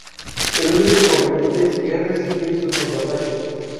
El único inconveniente es resistir sus contraataques.